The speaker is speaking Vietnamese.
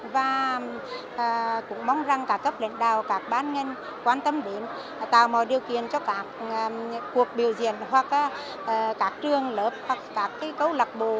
và cũng mong rằng các cấp lãnh đạo các ban nhân quan tâm đến tạo mọi điều kiện cho các cuộc biểu diễn hoặc các trường lớp hoặc các câu lạc bộ